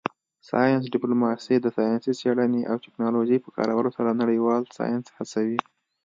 ساینس ډیپلوماسي د ساینسي څیړنې او ټیکنالوژۍ په کارولو سره نړیوال ساینس هڅوي